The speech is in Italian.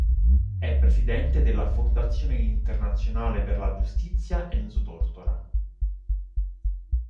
È presidente della Fondazione Internazionale per la Giustizia Enzo Tortora.